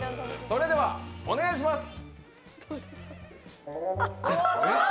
それでは、お願いします！